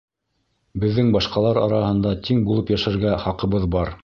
Беҙҙең башҡалар араһында тиң булып йәшәргә хаҡыбыҙ бар.